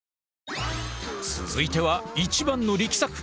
続いては一番の力作。